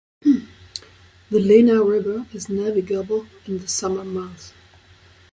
The Lena River is navigable in the summer months.